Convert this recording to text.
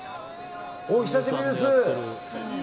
お久しぶりです！